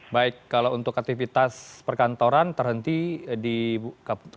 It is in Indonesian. baik kalau untuk aktivitas perkantoran terhenti di kabupaten